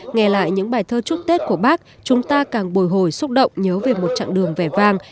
nghe lại những bài thơ chúc tết của bác chúng ta càng bồi hồi xúc động nhớ về một chặng đường vẻ vang